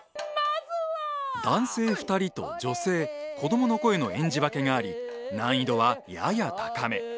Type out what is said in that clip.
男性２人と女性子供の声の演じ分けがあり難易度はやや高め。